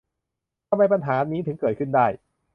ทำไมปัญหานี้ถึงเกิดขึ้นได้ ?